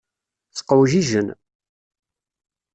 Sqewjijen.